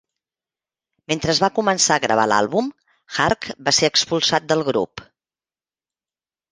Mentre es va començar a gravar l'àlbum, Harck va ser expulsat del grup.